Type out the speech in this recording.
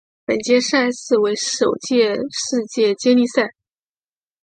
本届赛事为首届世界接力赛。